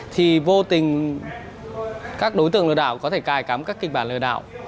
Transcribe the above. thì vô tình các đối tượng lừa đảo có thể cài cắm các kịch bản lừa đảo